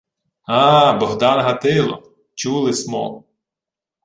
— А-а, Богдан Гатило! Чули смо!..